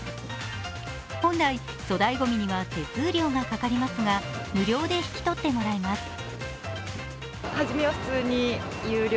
本来、粗大ごみには手数料がかかりますが、無料で引き取ってもらえます。